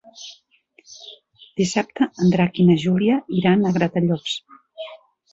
Dissabte en Drac i na Júlia iran a Gratallops.